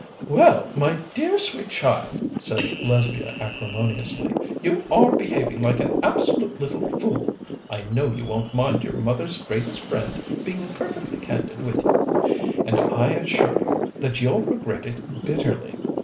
"Well, my dear, sweet child," said Lesbia acrimoniously, "you are behaving like an absolute little fool (I know you won't mind your mother's greatest friend being perfectly candid with you), and I assure you that you'll regret it bitterly.